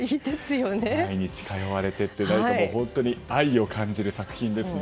毎日、通われてというのは本当に愛を感じる作品ですね。